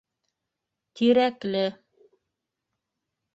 Тирәкле.